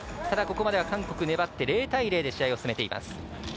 ただ、ここまでは韓国粘って０対０で試合を進めています。